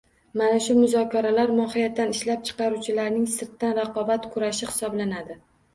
Mana shu muzokaralar — mohiyatan ishlab chiqaruvchilarning sirtdan raqobat kurashi hisoblanadi.